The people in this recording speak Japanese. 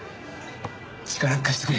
力貸してくれ。